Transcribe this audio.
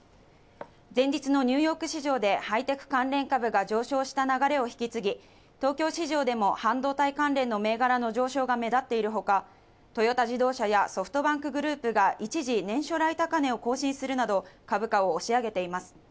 前日のニューヨーク市場でハイテク関連株が上昇した流れを引き継ぎ、東京市場でも半導体関連の銘柄の上昇が目立っているほか、トヨタ自動車やソフトバンクグループが一時年初来高値を更新するなど、株価を押し上げています。